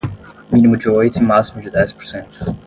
mínimo de oito e máximo de dez por cento